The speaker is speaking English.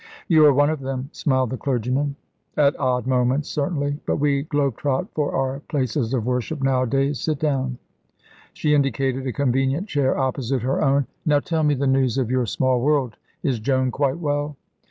"You are one of them," smiled the clergyman. "At odd moments, certainly; but we globe trot for our places of worship nowadays. Sit down"; she indicated a convenient chair opposite her own. "Now tell me the news of your small world. Is Joan quite well?"